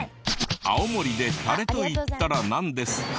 青森でタレといったらなんですか？